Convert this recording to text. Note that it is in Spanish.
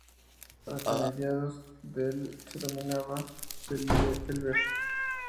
Hasta mediados del se denominaba Bellver.